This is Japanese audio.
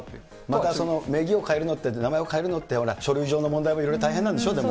ただ名義を変える、名前を変えるのって、書類上の問題もいろいろ大変なんでしょ、でも。